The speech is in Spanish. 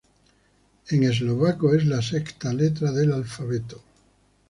En eslovaco es la sexta letra del alfabeto.